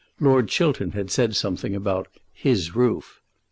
Lord Chiltern had said something about "his roof."